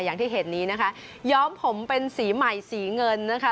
อย่างที่เห็นนี้นะคะย้อมผมเป็นสีใหม่สีเงินนะคะ